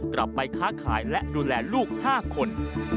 กลับไปค้าขายและดูแลลูก๕คน